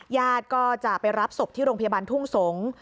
ญาติก็จะไปรับศพที่โรงพยาบาลทุ่งสงศ์